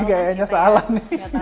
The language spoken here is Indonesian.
ini kayaknya salah nih